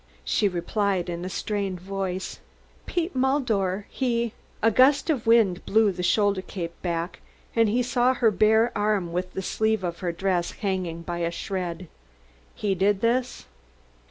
She replied in a strained voice: "Pete Mullendore, he " A gust of wind blew the shoulder cape back and he saw her bare arm with the sleeve of her dress hanging by a shred. " he did this?"